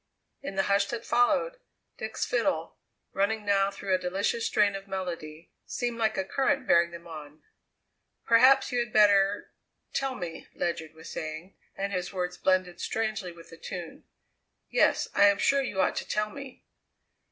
In the hush that followed, Dick's fiddle, running now through a delicious strain of melody, seemed like a current bearing them on. "Perhaps you had better tell me," Ledyard was saying, and his words blended strangely with the tune. "Yes, I am sure you ought to tell me."